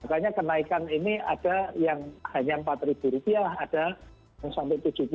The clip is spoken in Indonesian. makanya kenaikan ini ada yang hanya rp empat ada yang sampai rp tujuh puluh